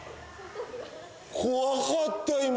怖かった今。